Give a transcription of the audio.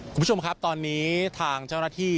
คุณผู้ชมครับตอนนี้ทางเจ้าหน้าที่